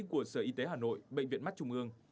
của sở y tế hà nội bệnh viện mắt trung ương